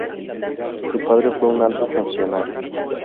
Su padre fue un alto funcionario.